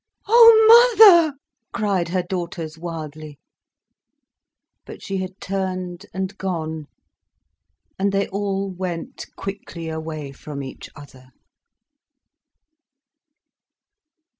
"Oh mother!" cried her daughters wildly. But she had turned and gone, and they all went quickly away from each other.